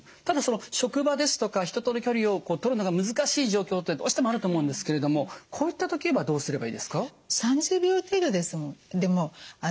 ただ職場ですとか人との距離をとるのが難しい状況ってどうしてもあると思うんですけれどもこういった時はどうすればいいですか？